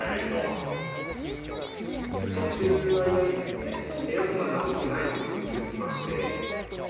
乗ってる間にですね、エアコンが直ってないということに気付きまして。